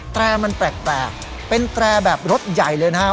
แตรมันแปลกเป็นแตรแบบรถใหญ่เลยนะครับ